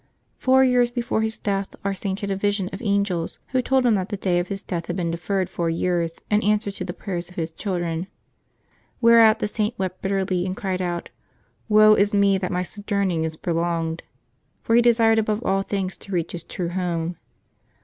Pour years before his death, our Saint had a vision of angels, who told h;m that the day of his death had been deferred four years, in answer to the prayers of his children; whereat the Saint wept bitterly, and cried out, " Woe is me that my sojourning is pro longed !'^ for he desired above all things to reach his true home.